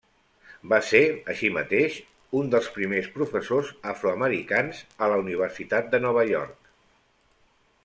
Va ser, així mateix, un dels primers professors afroamericans a la Universitat de Nova York.